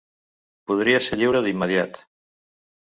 Podries ser lliure d'immediat.